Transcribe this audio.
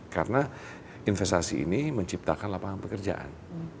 karena investasi ini menciptakan lapangan pekerjaan